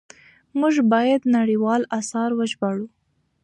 موږ بايد نړيوال آثار وژباړو.